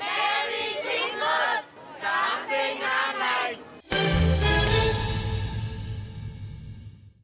giáng sinh an lành